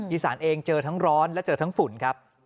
อีสานเองเจอทั้งร้อนและเจอทั้งฝุ่นครับ